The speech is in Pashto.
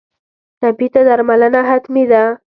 ټپي ته درملنه حتمي ده.